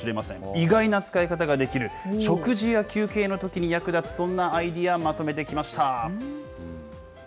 意外な使い方ができる、食事や休憩のときに役立つ、そんなアイデアまとめてきました。